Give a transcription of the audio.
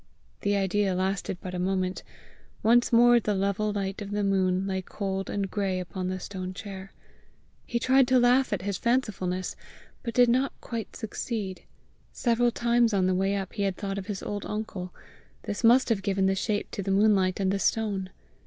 The idea lasted but a moment; once more the level light of the moon lay cold and gray upon the stone chair! He tried to laugh at his fancifulness, but did not quite succeed. Several times on the way up, he had thought of his old uncle: this must have given the shape to the moonlight and the stone!